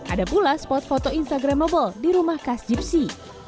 ada pula spot foto instagramable di rumah khas gypsy